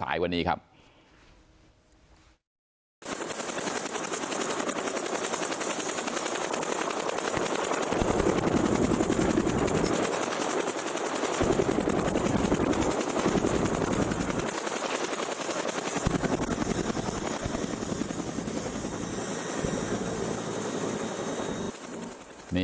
ขอบคุณทุกคน